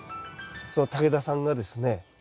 その竹田さんがですね